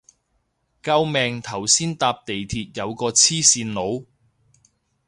救命頭先搭地鐵有個黐線佬